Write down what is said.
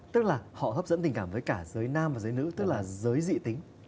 tức là họ hấp dẫn tình cảm với cả giới nam và giới nữ tức là giới dị tính